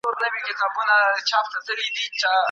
له کيمياوي توکو ځان وساته